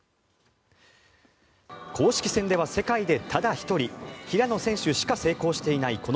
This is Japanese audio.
公式戦では世界でただ１人平野選手しか成功していない